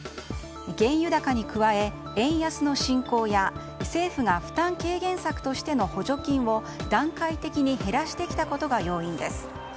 原油高に加え、円安の進行や政府が負担軽減策としての補助金を段階的に減らしてきたことが要因です。